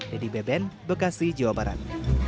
dedy beben bekasi jawa barat